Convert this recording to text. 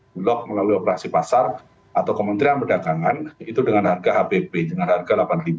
blok melalui operasi pasar atau kementerian perdagangan itu dengan harga hpp dengan harga delapan dua ratus